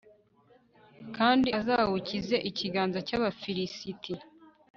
kandi azawukize ikiganza cy'abafilisiti